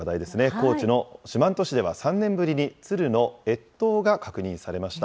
高知の四万十市では３年ぶりにツルの越冬が確認されました。